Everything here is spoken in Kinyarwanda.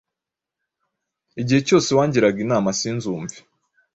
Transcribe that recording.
Igihe cyose wangiraga inama sinzumve.